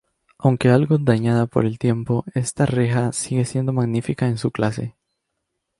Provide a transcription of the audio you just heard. Aunque algo dañada por el tiempo, esta reja sigue siendo magnífica en su clase.